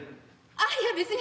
あっいや別に。